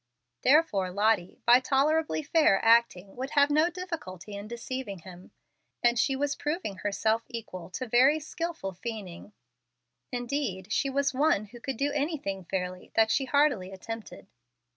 Therefore Lottie, by tolerably fair acting, would have no difficulty in deceiving him, and she was proving herself equal to very skilful feigning. Indeed she was one who could do anything fairly that she heartily attempted.